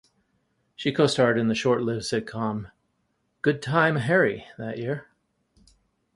She co-starred in the short-lived sitcom "Good Time Harry" that year.